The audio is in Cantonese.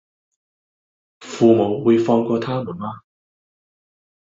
父母會放過他們嗎